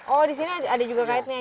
oh disini ada juga karetnya